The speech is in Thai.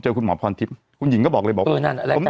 เธอโมงผ่อนทิศคุณหญิงก็บอกเลยบอกเอานั่นเหมือนแกนะนะ